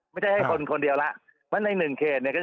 ไม่ได้ให้คนคนเดียวละมันอย่างหนึ่งเคตเนี่ย